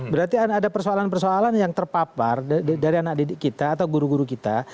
berarti ada persoalan persoalan yang terpapar dari anak didik kita atau guru guru kita